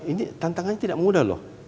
ini tantangannya tidak mudah loh